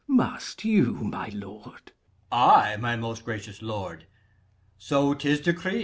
Must you, my lord? Berk. Ay, my most gracious lord; so 'tis decreed.